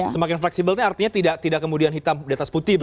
semakin fleksibel ini artinya tidak kemudian hitam di atas putih begitu